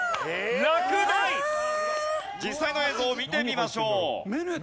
実際の映像を見てみましょう。